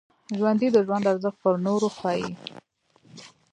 ژوندي د ژوند ارزښت پر نورو ښيي